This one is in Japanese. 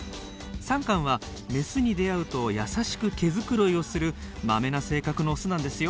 サンカンはメスに出会うと優しく毛繕いをするマメな性格のオスなんですよ。